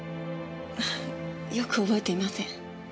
よく覚えていません。